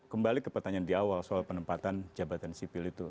kembali ke pertanyaan di awal soal penempatan jabatan sipil itu